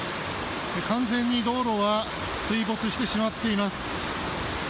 完全に道路は水没してしまっています。